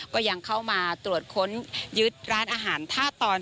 ก็ยังเข้ามาตรวจค้นยึดร้านอาหารท่าตอน